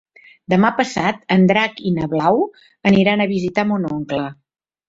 Demà passat en Drac i na Blau aniran a visitar mon oncle.